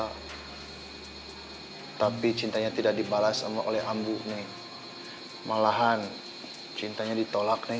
hai tapi cintanya tidak dibalas oleh ambuh neng malahan cintanya ditolak neng